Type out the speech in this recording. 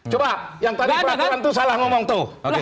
coba yang tadi peraturan itu salah ngomong tuh